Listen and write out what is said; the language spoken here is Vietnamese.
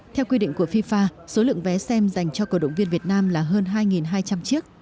theo quy định của fifa số lượng vé xem dành cho cổ động viên việt nam là hơn hai hai trăm linh chiếc